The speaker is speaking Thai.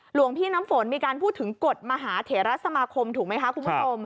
หลวงพี่น้ำฝนมีการพูดถึงกฎมหาธรรมคมถูกไหมคะ